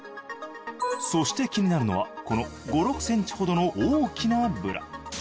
そして気になるのはこの５６ｃｍほどの大きなブラ。